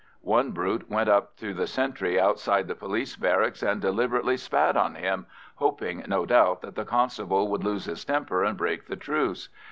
One brute went up to the sentry outside the police barracks and deliberately spat on him, hoping no doubt that the constable would lose his temper and break the truce.